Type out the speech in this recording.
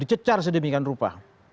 cecar sedemikian rupa